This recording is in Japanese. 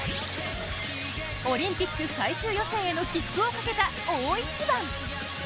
オリンピック最終予選への切符をかけた大一番。